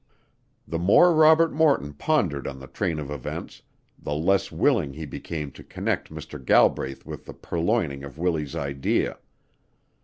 The more Robert Morton pondered on the train of events, the less willing he became to connect Mr. Galbraith with the purloining of Willie's idea.